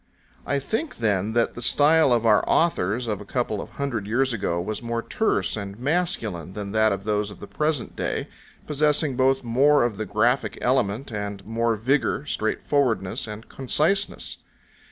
I think, then, that the style of our authors of a couple of hundred years ago was more terse and masculine than that of those of the present day, possessing both more of the graphic element, and more vigour, straightforwardness, and conciseness.